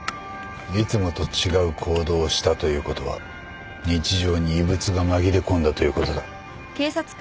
いつもと違う行動をしたということは日常に異物が紛れ込んだということだ。